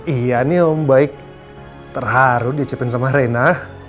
iya nih om baik terharu dicipin sama rena